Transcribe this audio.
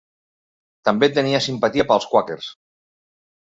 També tenia simpatia pels quàquers.